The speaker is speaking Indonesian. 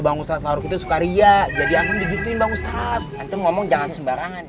bangsa faruk itu suka ria jadi akan begitu yang ngomong jangan sembarangan ya